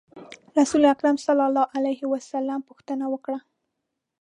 رسول اکرم صلی الله علیه وسلم پوښتنه وکړه.